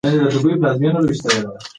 زه هڅه کوم چې د ورځې سبو وخورم.